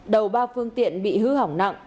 đầu ba phương tiện bị hư hỏng nặng